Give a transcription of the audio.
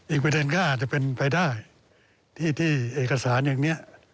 อีกประเด็นก็อาจจะเป็นไปได้ที่เอกสารอย่างนี้